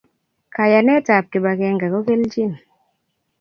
Kayanet tab kibakeng ko kelvin